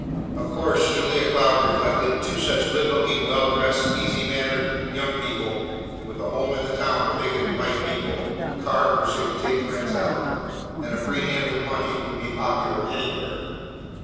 Of course, Julia Cloud reflected, two such good looking, well dressed, easy mannered young people, with a home in the town where they could invite people, a car in which to take friends out, and a free hand with money, would be popular anywhere.